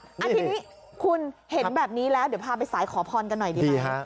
อาทิตย์คุณเห็นแบบนี้แล้วเดี๋ยวพาไปสายขอพรกันหน่อยดีไหม